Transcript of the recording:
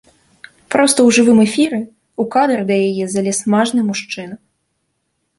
Проста ў жывым эфіры ў кадр да яе залез мажны мужчына.